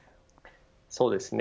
そうですね。